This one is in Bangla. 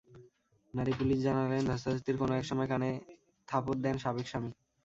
নারী পুলিশ জানালেন, ধ্বস্তাধ্বস্তির কোনো একসময় কানে থাপড় দেন সাবেক স্বামী।